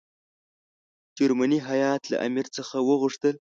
جرمني هیات له امیر څخه وغوښتل.